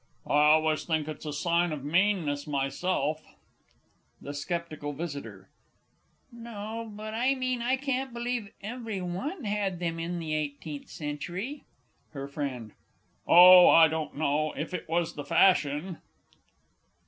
I always think it's a sign of meanness, myself. THE S. V. No; but I mean I can't believe every one had them in the eighteenth century. HER FRIEND. Oh, I don't know. If it was the fashion!